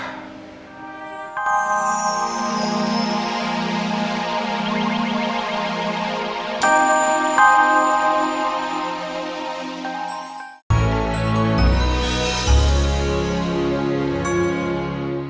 elsa akan berubah